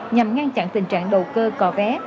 nhằm ngăn chặn tình trạng đầu cơ cò vé